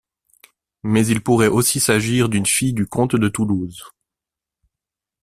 Mais il pourrait aussi s'agir d'une fille du comte de Toulouse.